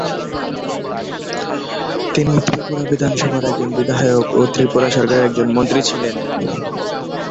তিনি ত্রিপুরা বিধানসভার একজন বিধায়ক ও ত্রিপুরা সরকারের একজন মন্ত্রী ছিলেন।